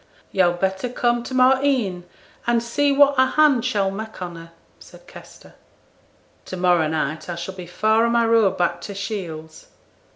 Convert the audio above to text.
'Yo'd better come to morrow e'en, and see what a hand she'll mak' on her,' said Kester. 'To morrow night I shall be far on my road back to Shields.'